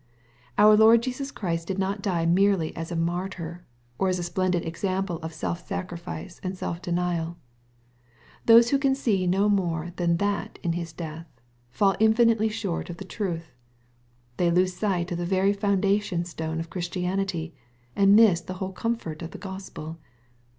Our Lord Jesus Christ did not die merely as a martyr, or as a splendid example of self sacrifice and self deniaL Those who can see no more than that in His death, faU infinitely short of the truth. They lose sight of the very foundation stone of Christianity, and miss the whole comfort of the Gospel.